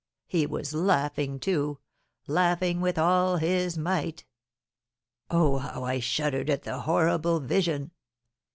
He was laughing, too, laughing with all his might. Oh, how I shuddered at the horrible vision!